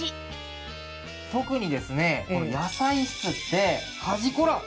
特にですね野菜室って端っこほら！